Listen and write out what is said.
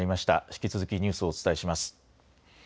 引き続きニュースをお伝えします。